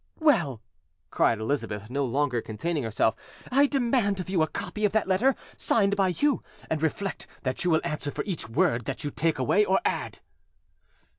"Well," cried Elizabeth, no longer containing herself, "I demand of you a copy of that letter, signed by you; and reflect that you will answer for each word that you take away or add."